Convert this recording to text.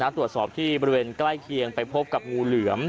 ตรวจสอบที่บริเวณใกล้เคียงไปพบกับงูเหลือม